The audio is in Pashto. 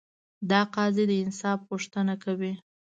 دا قاضي د انصاف غوښتنه کوي.